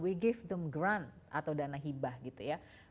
we give them ground atau dana hibah gitu ya